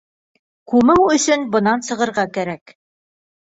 Күмеү өсөн бынан сығырға кәрәк!